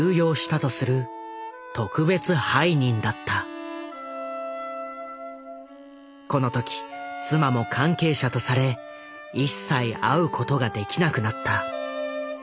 今度の容疑はこの時妻も関係者とされ一切会うことができなくなった。